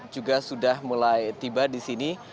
juga sudah mulai tiba di sini